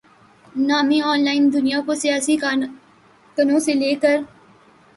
نامی online دنیا کو سیاسی کارکنوں سے لے کر